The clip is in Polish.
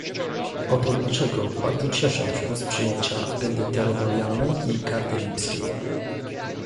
Oto dlaczego bardzo cieszę się z przyjęcia agendy terytorialnej i karty lipskiej